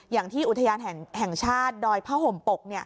อย่างที่อุทยานแห่งชาติดอยผ้าห่มปก